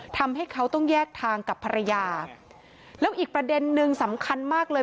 ทำให้เขาต้องแยกทางกับภรรยาแล้วอีกประเด็นนึงสำคัญมากเลย